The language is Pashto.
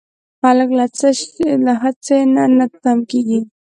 هلک له هڅې نه نه تم کېږي.